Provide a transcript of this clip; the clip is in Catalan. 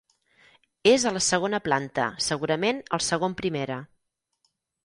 És a la segona planta, segurament el segon primera.